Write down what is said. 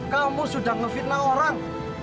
kamu sudah ngefitnah orang